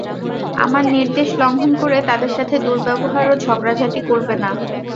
আমার নির্দেশ লঙ্ঘন করে তাদের সাথে দুর্ব্যবহার ও ঝগড়াঝাটি করবে না।